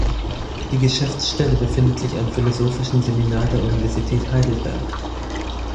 Die Geschäftsstelle befindet sich am Philosophischen Seminar der Universität Heidelberg.